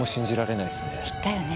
言ったよね。